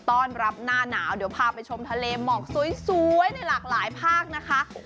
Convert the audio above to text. ต้อนรับหน้าหนาวเดี๋ยวพาไปชมทะเลหมอกสวยในหลากหลายภาคนะคะ